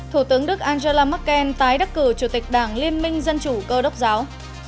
thủ tướng đức angela merkel tái đắc cử chủ tịch đảng liên minh dân chủ cơ đốc giáo